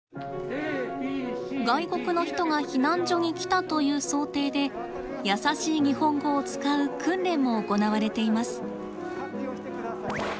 外国の人が避難所に来たという想定で「やさしい日本語」を使う訓練も行われています。